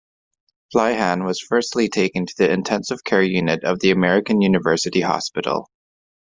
Fleihan was firstly taken to the intensive care unit of the American University Hospital.